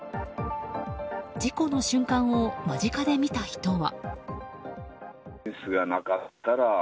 事故の瞬間を間近で見た人は。